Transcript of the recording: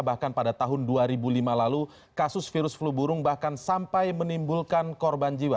bahkan pada tahun dua ribu lima lalu kasus virus flu burung bahkan sampai menimbulkan korban jiwa